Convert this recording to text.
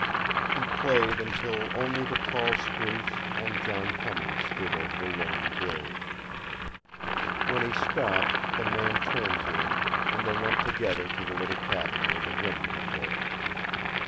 He played until only the tall spruce and John Cummins stood over the lone grave. When he stopped, the man turned to him, and they went together to the little cabin where the woman had lived.